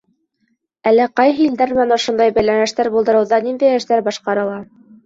— Әле ҡайһы илдәр менән ошондай бәйләнештәр булдырыуҙа ниндәй эштәр башҡарыла?